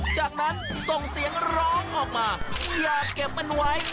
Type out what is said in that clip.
จากนั้นส่งเสียงร้องออกมาอย่าเก็บมันไว้